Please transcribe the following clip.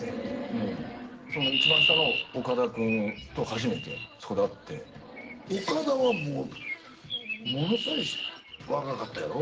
うんその一番下の岡田君と初めてそこで会って岡田はもうものすごい若かったやろ？